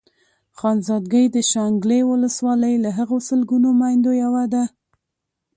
خانزادګۍ د شانګلې ولسوالۍ له هغو سلګونو ميندو يوه ده.